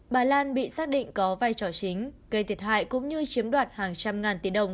bà lan bị xác định có vai trò chính gây thiệt hại cũng như chiếm đoạt hàng trăm ngàn tỷ đồng